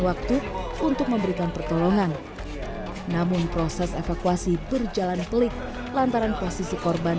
waktu untuk memberikan pertolongan namun proses evakuasi berjalan pelik lantaran posisi korban